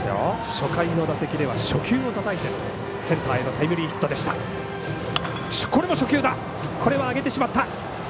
初回の打席では初球をたたいてセンターへのタイムリーヒットでした。